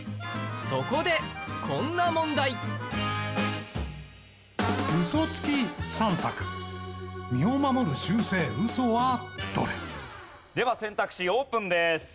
そこでこんな問題では選択肢オープンです。